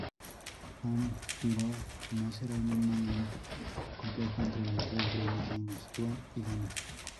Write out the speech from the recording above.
Fanta-ghirò nacerá en un momento complejo entre los dos grandes reinos: Tuan y Dana.